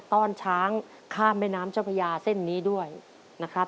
้อนช้างข้ามแม่น้ำเจ้าพญาเส้นนี้ด้วยนะครับ